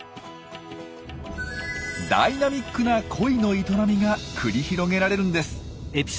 ダイナミックな恋の営みが繰り広げられるんです。